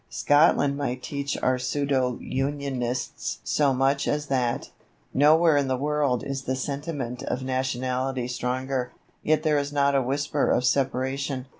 Scotland might teach our pseudo Unionists so much as that. Nowhere in the world is the sentiment of nationality stronger, yet there is not a whisper of Separation.